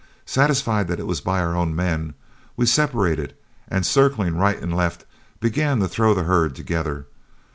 Satisfied that it was by our own men, we separated, and, circling right and left, began to throw the herd together.